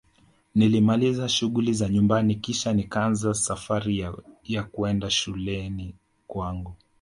Nilimaliza shughuli za nyumbani Kisha nikaanza Safari ya kwenda shule kwangu